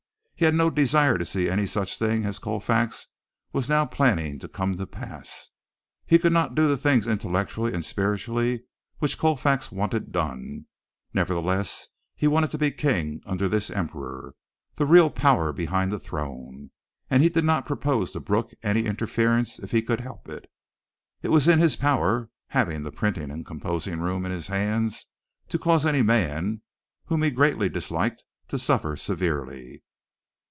He had no desire to see any such thing as Colfax was now planning come to pass. He could not do the things intellectually and spiritually which Colfax wanted done, nevertheless he wanted to be king under this emperor, the real power behind the throne, and he did not propose to brook any interference if he could help it. It was in his power, having the printing and composing room in his hands, to cause any man whom he greatly disliked to suffer severely.